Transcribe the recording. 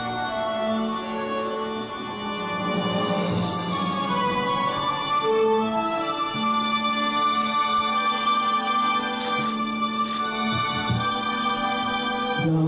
โปรดติดตามตอนต่อไป